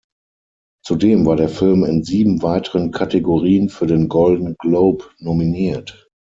Zudem war der Film in sieben weiteren Kategorien für den Golden Globe nominiert.